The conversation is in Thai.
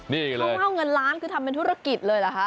ข้าวเมาะเงินล้านคือทำเป็นธุรกิจเลยล่ะคะ